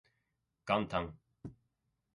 元旦